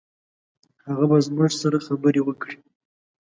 هغه به زموږ سره خبرې وکړي.